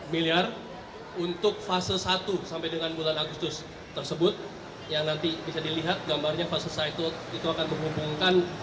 biar untuk fase satu sampai dengan bulan agustus tersebut yang nanti bisa dilihat gambarnya fase saito itu akan menghubungkan